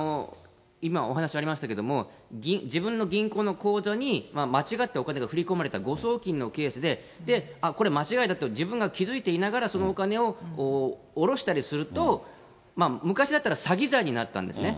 今、お話ありましたけども、自分の銀行の口座に、間違ってお金が振り込まれた誤送金のケースで、これ、間違いだと、自分が気付いていながら、そのお金をおろしたりすると、昔だったら詐欺罪になったんですね。